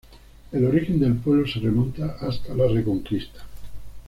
El origen del pueblo se remonta hasta la Reconquista.